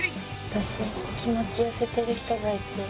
私気持ち寄せてる人がいて。